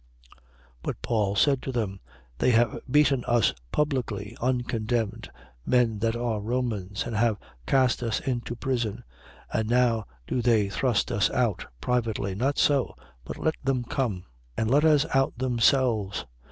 16:37. But Paul said to them: They have beaten us publicly, uncondemned, men that are Romans, and have cast us into prison. And now do they thrust us out privately? Not so: but let them come. 16:38. And let us out themselves.